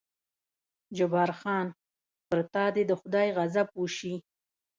جبار خان: پر تا دې د خدای غضب وشي.